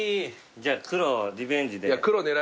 じゃあ黒リベンジで。